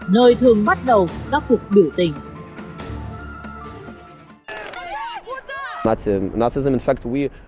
nơi thường bắt đầu các cuộc biểu tình